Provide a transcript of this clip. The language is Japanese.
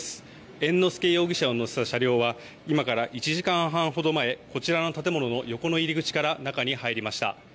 猿之助容疑者を乗せた車両は今から１時間半ほど前、こちらの建物の横の入り口から中に入りました。